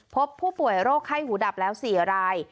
พบผู้ป่วยโรคไข้หูดับแล้ว๔ราย